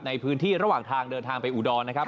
ในพื้นที่ระหว่างทางเดินทางไปอุดรนะครับ